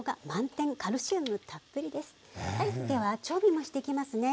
では調味もしていきますね。